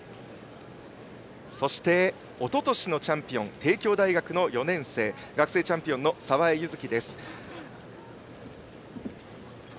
そして、おととしのチャンピオン帝京大学の４年生学生チャンピオンの澤江優月。